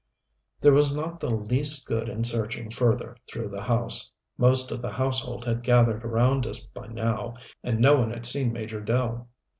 There was not the least good in searching further through the house. Most of the household had gathered around us, by now, and no one had seen Major Dell.